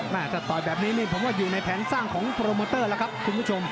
ถ้าต่อยแบบนี้นี่ผมว่าอยู่ในแผนสร้างของโปรโมเตอร์แล้วครับคุณผู้ชม